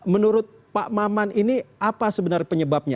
menurut pak maman ini apa sebenarnya penyebabnya